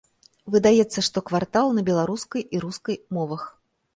Выдаецца штоквартал на беларускай і рускай мовах.